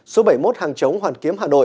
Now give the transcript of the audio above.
số bảy mươi một hàng chống hoàn kiếm hà nội